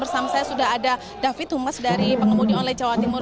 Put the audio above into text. bersama saya sudah ada david humas dari pengemudi online jawa timur